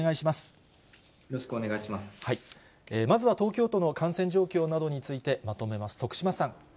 まずは、東京都の感染状況などについてまとめます。